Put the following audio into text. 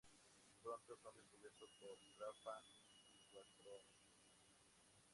Pronto son descubiertos por Rafe, y sus cuatro amigos.